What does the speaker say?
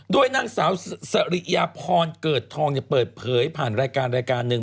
ด้วยนางสาวเสรียพรเกิดทองเนี่ยเปิดเผยผ่านรายการหนึ่ง